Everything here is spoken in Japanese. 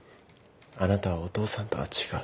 あなたはお父さんとは違う。